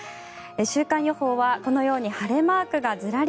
週間予報はこのように晴れマークがずらり。